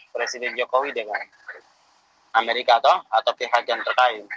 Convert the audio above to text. presiden jokowi dengan amerika atau pihak yang terkait